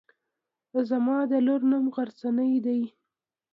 زما د لور نوم غرڅنۍ دی.